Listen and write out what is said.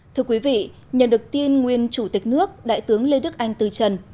thưa quý vị nhận được tin nguyên chủ tịch nước đại tướng lê đức anh từ trần